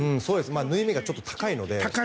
縫い目がちょっと高いので。